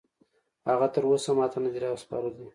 هغه تراوسه ماته نه دي راسپارلي